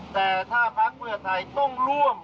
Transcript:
แต่ถ้าพักเพื่อไทยต้องร่วมกับพักอื่นเนี่ย